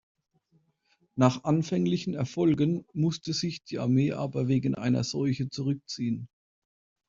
Nach anfänglichen Erfolgen musste sich die Armee aber wegen einer Seuche zurückziehen.